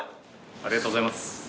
ありがとうございます。